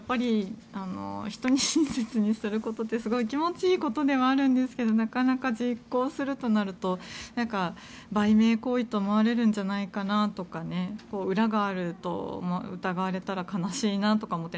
人に親切にすることってすごい気持ちいいことではあるんですけどなかなか実行するとなると売名行為と思われるんじゃないかとか裏があると疑われたら悲しいなとか思って、